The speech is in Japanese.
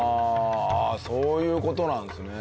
そういう事なんですね。